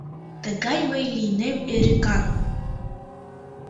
Тыгай мый лийнем эрыкан: